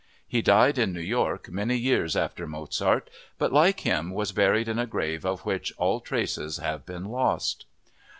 He died in New York many years after Mozart but, like him, was buried in a grave of which all traces have been lost.